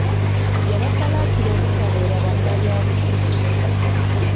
Yabakalaatira obutabeera bannabyabufuzi.